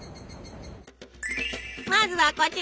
まずはこちら！